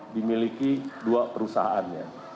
dimiliki dua perusahaannya